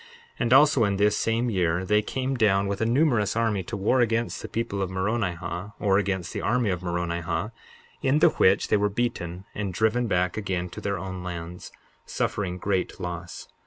63:15 And also in this same year they came down with a numerous army to war against the people of Moronihah, or against the army of Moronihah, in the which they were beaten and driven back again to their own lands, suffering great loss.